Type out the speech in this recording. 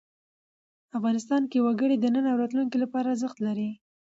افغانستان کې وګړي د نن او راتلونکي لپاره ارزښت لري.